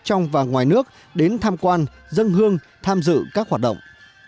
trong và ngoài nước đến tham quan dân hương tham dự các hoạt động